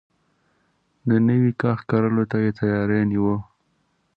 د نوی کښت کرلو ته يې تياری نيوه.